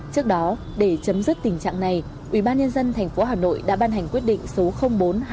trước đó để chấm dứt tình trạng này ubnd tp hà nội đã ban hành quyết định số bốn hai nghìn một mươi bốn